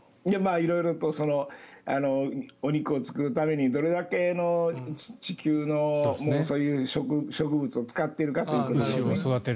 色々とお肉を作るためにどれだけの地球のそういう植物を使っているかということですね。